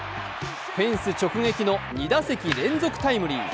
フェンス直撃の２打席連続タイムリー。